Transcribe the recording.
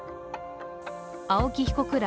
青木被告ら